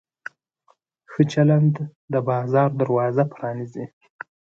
ښه چلند د بازار دروازه پرانیزي.